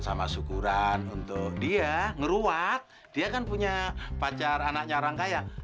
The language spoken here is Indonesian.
sama syukuran untuk dia ngeruat dia kan punya pacar anaknya rangkaian